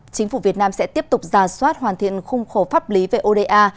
chính phủ việt nam sẽ tiếp tục giả soát hoàn thiện khung khổ pháp lý về oda